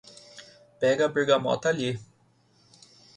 Pega a bergamota ali